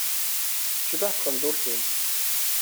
Tecbeḥ tqenduṛṭ-im.